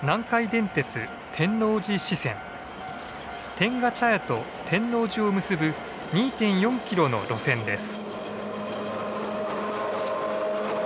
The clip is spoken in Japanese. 天下茶屋と天王寺を結ぶ２．４キロの路線です。